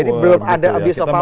jadi belum ada abuse of power